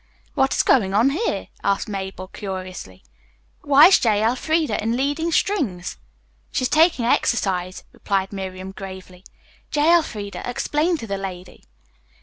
"What is going on here?" asked Mabel curiously. "Why is J. Elfreda in leading strings?" "She is taking exercise," replied Miriam gravely. "J. Elfreda, explain to the lady."